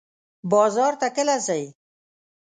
بازار ته کله ځئ؟